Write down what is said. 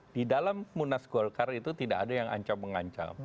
di dalam munas golkar itu tidak ada yang ancam mengancam